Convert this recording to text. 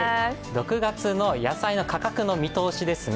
６月の野菜の価格の見通しですね